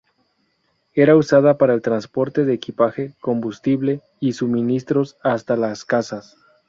Era usada para el transporte de equipaje, combustible y suministros hasta las casas.